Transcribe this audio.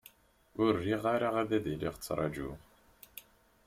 Ur riɣ ara ad iliɣ trajuɣ.